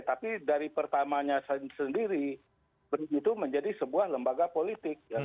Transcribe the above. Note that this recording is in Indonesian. tapi dari pertamanya sendiri itu menjadi sebuah lembaga politik